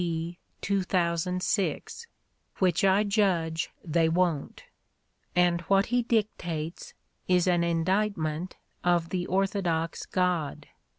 D. 2006 — ^which I judge they won't"; and what he dictates is an indictment of the orthodox God.